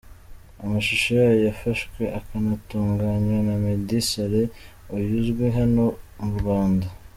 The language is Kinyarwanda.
amashusho yayo yafashwe akanatunganywa na Meddy Saleh uyu uzwi hano mu Rwanda